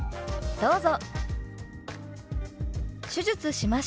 どうぞ！